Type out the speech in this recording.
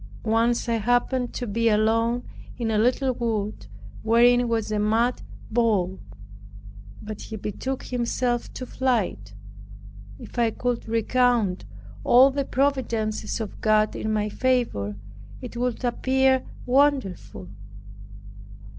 Once I happened to be alone in a little wood wherein was a mad bull; but he betook himself to flight. If I could recount all the providences of God in my favor, it would appear wonderful.